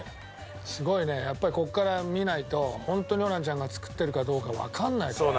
すごいねやっぱりここから見ないとホントにホランちゃんが作ってるかどうかわかんないからね。